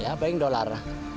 ya apa yang dolar